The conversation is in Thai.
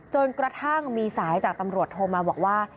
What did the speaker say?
จนกระทั่งมีสายจากตำรวจโทรมาบอกว่า